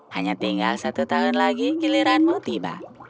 hanya tinggal satu tahun lagi giliranmu tiba